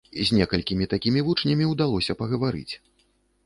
З некалькімі такімі вучнямі ўдалося пагаварыць.